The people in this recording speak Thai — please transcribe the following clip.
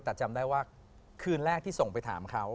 แต่จำได้ว่าคืนแรกที่ส่งไปถามเขา